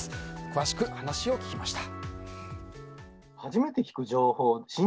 詳しく話を聞きました。